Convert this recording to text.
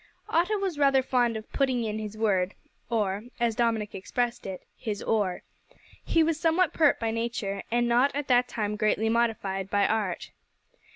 Otto was rather fond of "putting in" his word, or, as Dominick expressed it, "his oar." He was somewhat pert by nature, and not at that time greatly modified by art.